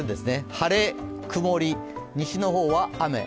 晴れ、曇り、西の方は雨。